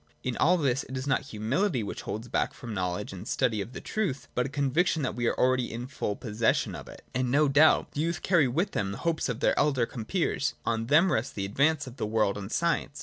In all this it is not humility which holds back from the knowledge and study of the truth, but a conviction that we are already in full possession of it. And no doubt the young carry with them the hopes of their elder compeers ; on them rests the ad vance of the world and science.